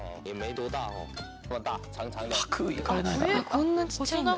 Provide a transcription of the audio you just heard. こんなちっちゃいんだ。